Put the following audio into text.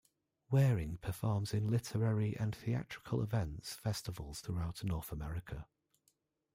Wearing performs in literary and theatrical events and festivals throughout North America.